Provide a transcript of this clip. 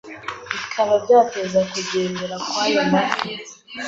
bikaba byateza gukendera kw’ayo mafi.